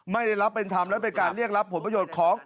ไม่ได้รับเป็นธรรมและเป็นการเรียกรับผลประโยชน์ของ